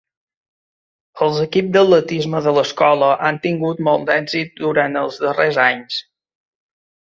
Els equips d'atletisme de l'escola han tingut molt d'èxit durant els darrers anys.